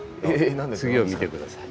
次を見て下さい。